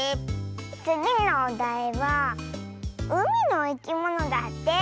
つぎのおだいは「うみのいきもの」だって！